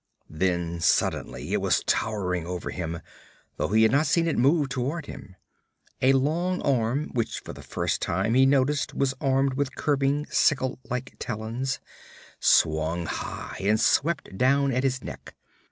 Then suddenly it was towering over him, though he had not seen it move toward him. A long arm, which for the first time he noticed was armed with curving, sickle like talons, swung high and swept down at his neck.